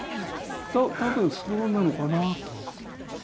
多分そうなのかなと。